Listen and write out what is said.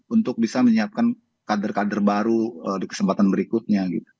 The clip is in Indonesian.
untuk bisa menyiapkan kader kader baru di kesempatan berikutnya